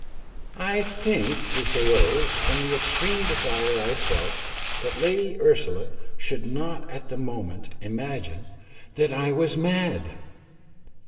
I think this arose from the extreme desire I felt that Lady Ursula should not at that moment imagine that I was mad.